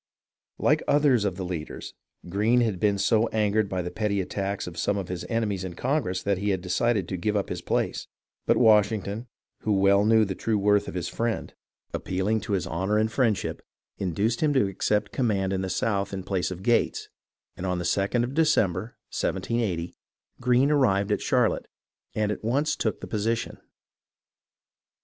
Like others of the leaders, Greene had been so angered by the petty attacks of some of his enemies in Congress that he had decided to give up his place ; but Washington, who well knew the true worth of his friend, appealing to his 334 HISTORY OF THE AMERICAN REVOLUTION honour and friendship, induced him to accept the command in the South in place of Gates, and on the 2d of Decem ber, 1780, Greene arrived at Charlotte and at once took the position.